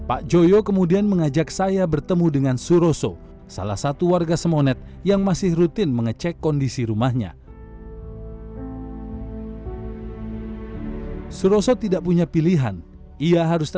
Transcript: ada masih ada beberapa yang masih bisa ditumbuhi pak